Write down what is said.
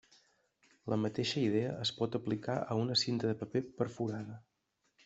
La mateixa idea es pot aplicar a una cinta de paper perforada.